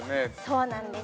◆そうなんです。